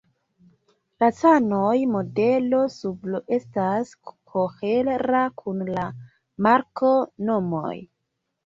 La Canon modelo sube estas kohera kun la marko-nomoj.